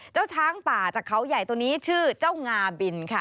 ช้างป่าจากเขาใหญ่ตัวนี้ชื่อเจ้างาบินค่ะ